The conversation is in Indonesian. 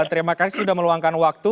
terima kasih sudah meluangkan waktu